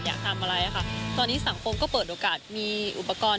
อยากทำอะไรค่ะตอนนี้สังคมก็เปิดโอกาสมีอุปกรณ์